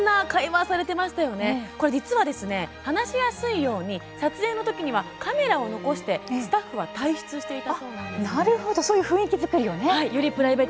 実は皆さんが話しやすいように撮影のときには、カメラを残してスタッフは退出していたそうです。